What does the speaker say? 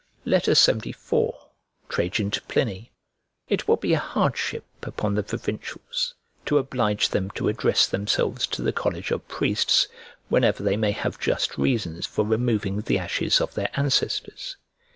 LXX IV TRAJAN TO PLINY IT will be a hardship upon the provincials to oblige them to address themselves to the college of priests whenever they may have just reasons for removing the ashes of their ancestors.